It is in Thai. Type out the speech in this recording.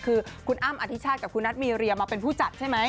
คือคุณอ้ำอธิชาติกับคุณนัทมีเรียมาเป็นผู้จัดใช่ไหม